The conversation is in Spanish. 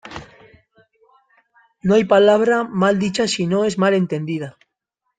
No hay palabra mal dicha si no es mal entendida.